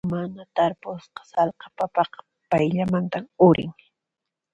Mana tarpusqa sallqa papaqa payllamanta urin.